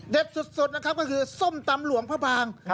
เด็ดสุดก็คือส้มตำหลวงพระพ่าง